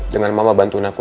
dengan mama bantuin aku